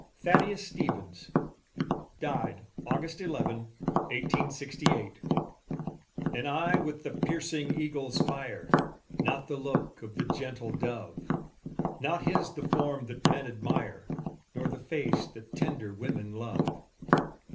THADDEUS STEVENS DIED AUG. 11, 1868 An eye with the piercing eagle's fire, Not the look of the gentle dove; Not his the form that men admire, Nor the face that tender women love.